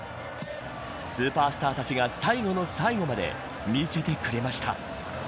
スーパースターたちが最後の最後まで見せてくれました。